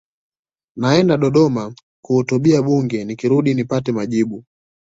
naenda dodoma kuhutubia bunge nikirudi nipate majibu